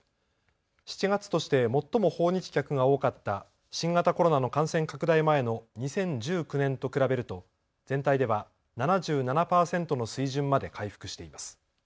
７月として最も訪日客が多かった新型コロナの感染拡大前の２０１９年と比べると全体では７７％の水準まで回復しています。